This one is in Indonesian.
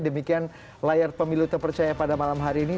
demikian layar pemilu terpercaya pada malam hari ini